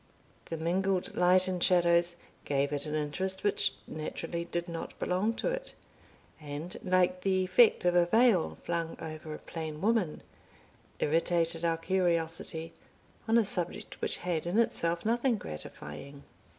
The mingled light and shadows gave it an interest which naturally did not belong to it; and, like the effect of a veil flung over a plain woman, irritated our curiosity on a subject which had in itself nothing gratifying.